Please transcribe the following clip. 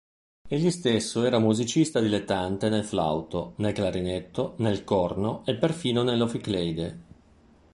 Egli stesso era musicista dilettante nel flauto, nel clarinetto, nel corno e perfino nell'oficleide.